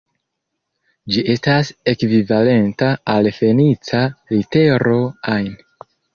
Ĝi estas ekvivalenta al fenica litero "ain".